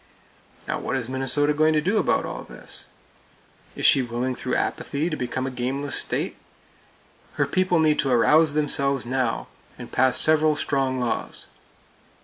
Now, what is Minnesota going to do about all this? Is she willing through Apathy to become a gameless state? Her people need to arouse themselves now, and pass several strong laws.